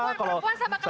ini gak perempuan